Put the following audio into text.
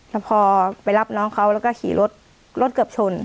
แล้วพอไปรับน้องเขาแล้วก็ขี่รถรถเกือบชน